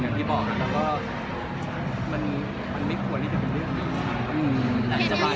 อย่างที่บอกก็คือมันจะให้เกียร์สมัย